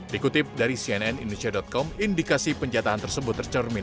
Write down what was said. dikutip dari cnn indonesia com indikasi penjatahan tersebut tercermin